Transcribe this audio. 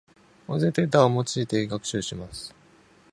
音声データを用いて学習します。